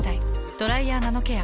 「ドライヤーナノケア」。